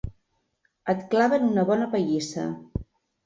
Et claven una bona pallissa.